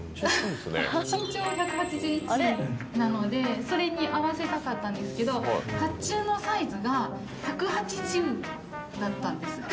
身長１８１なので、それに合わせたかったんですけど、発注のサイズが１８０だったんです。